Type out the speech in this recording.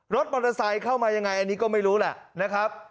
รถมอเตอร์ไซค์เข้ามายังไงอันนี้ก็ไม่รู้แหละนะครับ